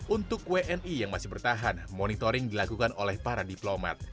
untuk wni yang masih bertahan monitoring dilakukan oleh para diplomat